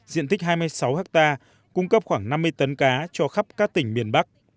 diện tích hai mươi sáu ha cung cấp khoảng năm mươi tấn cá cho khắp các tỉnh miền bắc